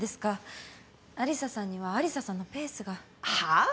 有沙さんには有沙さんのペースが。はあ？